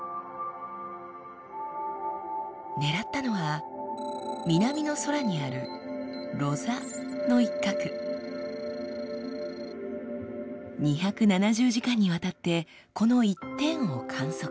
狙ったのは南の空にある２７０時間にわたってこの一点を観測。